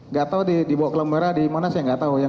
nggak tahu di bawah ke lampu merah di mana saya nggak tahu